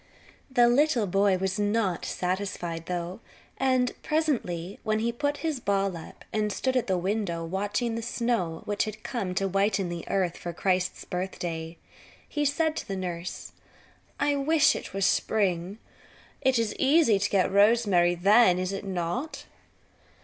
The little boy was not satisfied, though, and presently when he had put his ball up and stood at the window watching the snow which had come to whiten the earth for Christ's birthday, he said to the nurse: "I wish it were spring. It is easy to get rosemary then, is it not?"